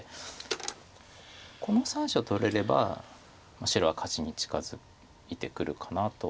この３子を取れれば白は勝ちに近づいてくるかなと。